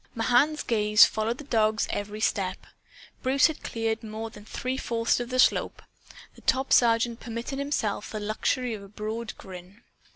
Mahan's gaze followed the dog's every step. Bruce had cleared more than three fourths of the slope. The top sergeant permitted himself the luxury of a broad grin.